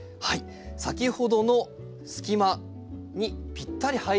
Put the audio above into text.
先ほどの隙間にぴったり入るんですね。